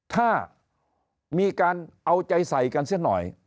ถ้ามีการเอาใจใส่กันเสียหน่อย